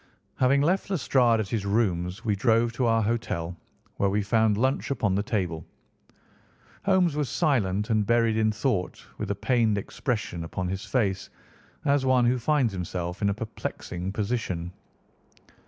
Having left Lestrade at his rooms, we drove to our hotel, where we found lunch upon the table. Holmes was silent and buried in thought with a pained expression upon his face, as one who finds himself in a perplexing position.